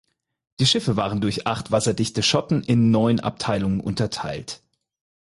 Die Schiffe waren durch acht wasserdichte Schotten in neun Abteilungen unterteilt.